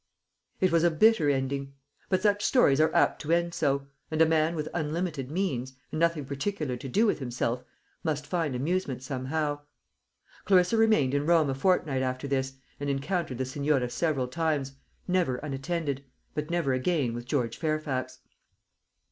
It was a bitter ending; but such stories are apt to end so; and a man with unlimited means, and nothing particular to do with himself, must find amusement somehow. Clarissa remained in Rome a fortnight after this, and encountered the Senora several times never unattended, but never again with George Fairfax.